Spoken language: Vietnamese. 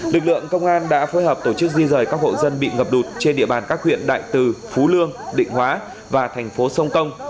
lực lượng công an đã phối hợp tổ chức di rời các hộ dân bị ngập lụt trên địa bàn các huyện đại từ phú lương định hóa và thành phố sông công